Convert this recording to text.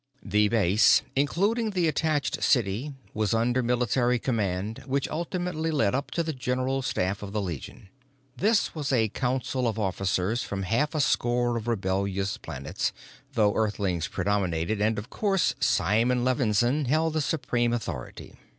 The base, including the attached city, was under military command which ultimately led up to the general staff of the Legion. This was a council of officers from half a score of rebellious planets, though Earthlings predominated and, of course, Simon Levinsohn held the supreme authority.